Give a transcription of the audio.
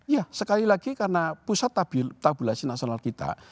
ya sekali lagi karena pusat tabulasi nasional kita